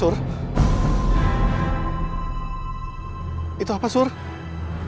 jadi kamu udah pas jepang